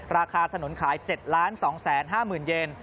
ราคาสนุนขาย๗๒๕๐๐๐๐เยน